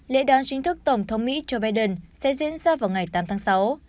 lễ đón chính thức tổng thống mỹ joe biden sẽ diễn ra vào ngày tám tháng sáu